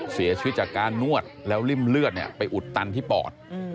เสียชีวิตจากการนวดแล้วริ่มเลือดไปอุดตันที่ปอด